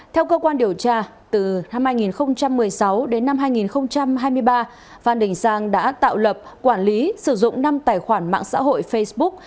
theo cơ quan điều tra từ năm hai nghìn một mươi sáu đến năm hai nghìn hai mươi ba phan đình sang đã tạo lập quản lý sử dụng năm tài khoản mạng xã hội facebook